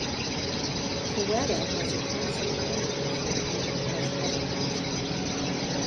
Coweta has a council-manager form of government.